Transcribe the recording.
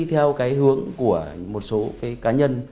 theo cái hướng của một số cái cá nhân